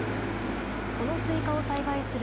このスイカを栽培する